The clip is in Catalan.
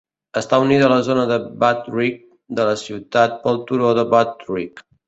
Està unida a la zona de Bathwick de la ciutat pel turó de Bathwick.